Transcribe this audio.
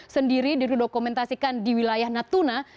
sendiri didokumentasikan di wilayah natuna